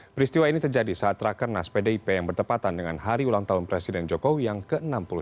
peristiwa ini terjadi saat rakernas pdip yang bertepatan dengan hari ulang tahun presiden jokowi yang ke enam puluh satu